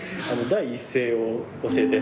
第一声を教えて。